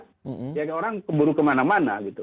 sehingga orang keburu kemana mana gitu